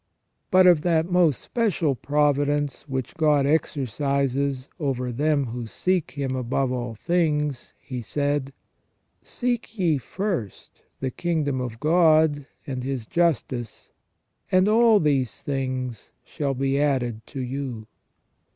But of that most special providence which God exercises over them who seek Him above all things. He said :" Seek ye first the kingdom of God and His justice, and all these things shall be added to you